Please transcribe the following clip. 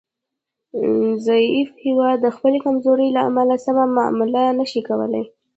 ضعیف هیواد د خپلې کمزورۍ له امله سمه معامله نشي کولای